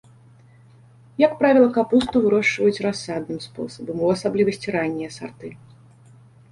Як правіла, капусту вырошчваюць рассадным спосабам, у асаблівасці раннія сарты.